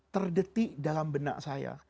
terdetik dalam benak saya